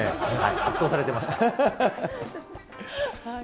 圧倒されてました。